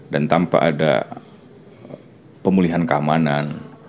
dan tanpa ada pemulihan keamanan